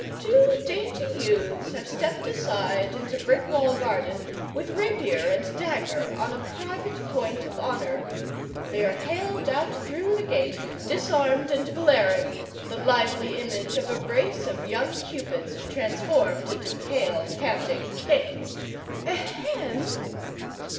Two dainty youths have stepped aside into Brickwall garden with rapier and dagger on a private point of honour. They are haled out through the gate, disarmed and glaring the lively image of a brace of young Cupids transformed into pale, panting Cains. Ahem!